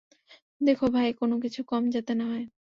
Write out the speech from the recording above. দেখো ভাই, কোনো কিছুর কম যাতে না থাকে।